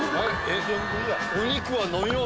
・・お肉は飲み物？